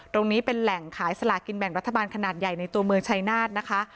ตรงนี้เป็นแหล่งขายสลากินแบ่งรัฐบาลขนาดใหญ่ในตัวเมืองชายนาฏนะคะ